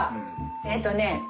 えっとね